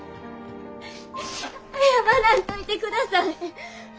謝らんといてください。